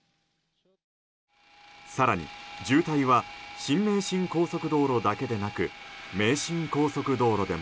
更に、渋滞は新名神高速道路だけでなく名神高速道路でも。